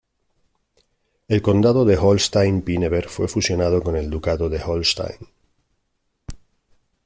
El Condado de Holstein-Pinneberg fue fusionado con el Ducado de Holstein.